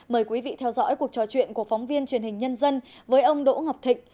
mời quý vị theo dõi cuộc trò chuyện của phóng viên truyền hình nhân dân với ông đỗ ngọc thịnh